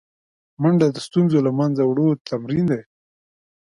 منډه د ستونزو له منځه وړو تمرین دی